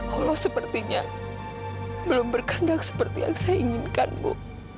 allah sepertinya belum berkendak seperti yang saya inginkan bu